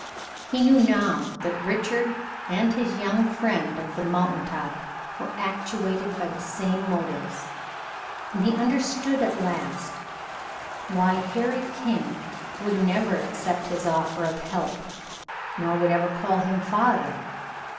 He knew now that Richard and his young friend of the mountain top were actuated by the same motives, and he understood at last why Harry King would never accept his offer of help, nor would ever call him father.